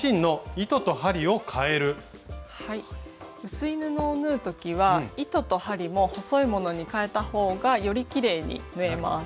薄い布を縫う時は糸と針も細いものにかえた方がよりきれいに縫えます。